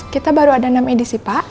kita baru ada enam edisi pak